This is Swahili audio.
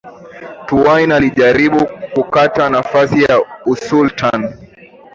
Thuwain alijaribu kutaka nafasi ya usultan